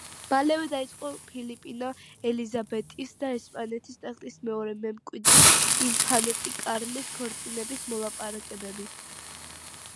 მალევე დაიწყო ფილიპინა ელიზაბეტის და ესპანეთის ტახტის მეორე მემკვიდრის, ინფანტი კარლის ქორწინების მოლაპარაკებები.